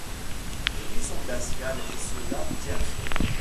Les nuits sont glaciales, et cela tient chaud.